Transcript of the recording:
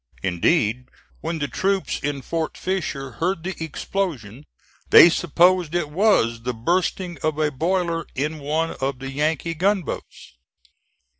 Indeed when the troops in Fort Fisher heard the explosion they supposed it was the bursting of a boiler in one of the Yankee gunboats.